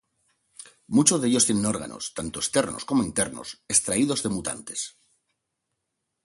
Muchos de ellos tienen órganos, tanto externos como internos, extraídos de mutantes.